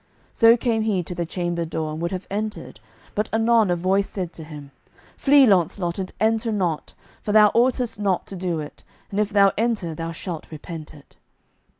So came he to the chamber door, and would have entered, but anon a voice said to him, "Flee, Launcelot, and enter not, for thou oughtest not to do it; and if thou enter thou shalt repent it."